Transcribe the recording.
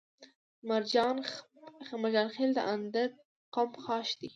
مرجان خيل د اندړ قوم خاښ دی